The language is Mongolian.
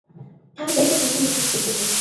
Та дээлээ солино биз гэж сүрдүүлэв.